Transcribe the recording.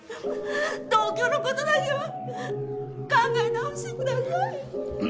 同居の事だけは考え直してください。